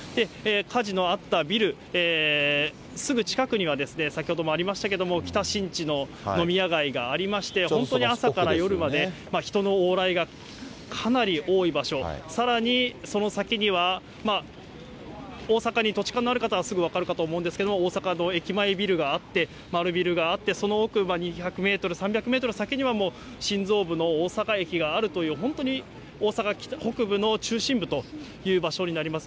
火事のあったビル、すぐ近くには、先ほどもありましたけども、北新地の飲み屋街がありまして、本当に朝から夜まで、人の往来がかなり多い場所、さらにその先には、大阪に土地勘のある方はすぐ分かるかと思うんですが、大阪の駅前ビルがあって、マルビルがあって、その奥、２００メートル、３００メートル先にはもう、心臓部の大阪駅があるという、本当に大阪北部の中心部という場所になります。